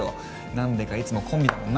何でかいつもコンビだもんな